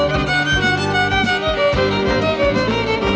สวัสดีครับ